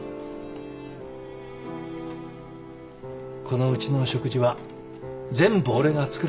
このうちの食事は全部俺が作る。